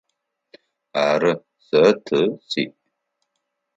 Ары, сэ ты сиӏ.